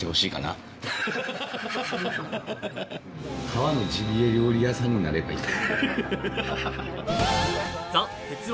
川のジビエ料理屋さんになればいい。